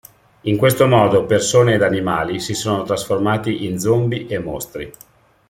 In questo modo persone ed animali si sono trasformati in zombie e mostri.